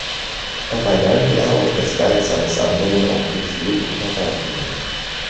Dabei lernte er auch das Werk seines anderen Onkels Louis Couperin kennen.